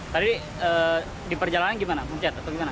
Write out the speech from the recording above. tadi di perjalanan gimana puncak atau gimana